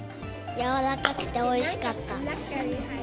軟らかくておいしかった。